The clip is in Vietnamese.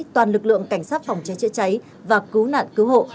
toàn lực lượng cảnh sát phòng cháy chữa cháy và cứu nạn cứu hộ